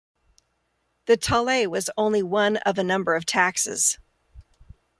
The taille was only one of a number of taxes.